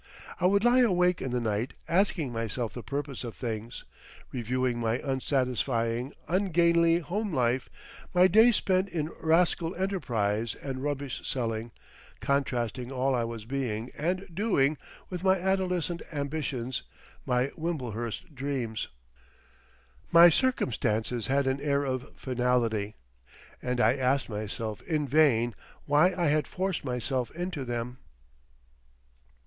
I would lie awake in the night, asking myself the purpose of things, reviewing my unsatisfying, ungainly home life, my days spent in rascal enterprise and rubbish selling, contrasting all I was being and doing with my adolescent ambitions, my Wimblehurst dreams. My circumstances had an air of finality, and I asked myself in vain why I had forced myself into them.